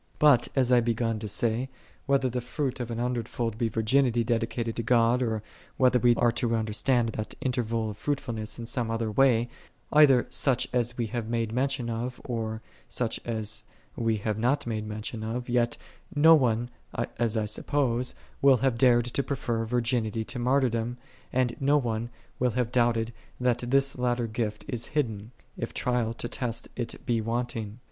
15ut, as 1 had be^un to say, whether the fruit an hundred fold be virginity dedi cated to (iod. or whether we are to under stand that interval of fruitfulness in some other way, either such as we have made men tion of, or such as we have not made mention of; yet no one, as I suppose, will have dared to prefer virginity to martyrdom, and no one will have doubted that this latter gift is hid den, if trial to test it be wanting.